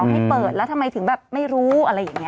ให้เปิดแล้วทำไมถึงแบบไม่รู้อะไรอย่างนี้